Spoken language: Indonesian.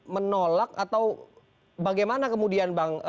menolak atau bagaimana kemudian bang